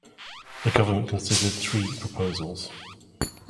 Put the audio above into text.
The government considered three proposals.